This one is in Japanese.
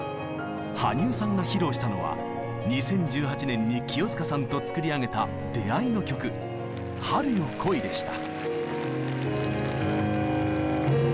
羽生さんが披露したのは２０１８年に清塚さんと作り上げた出会いの曲「春よ、来い」でした。